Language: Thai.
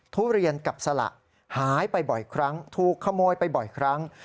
ทุเรียนกับสละหายไปบ่อยครั้งถูกขโมยไปบ่อยครั้ง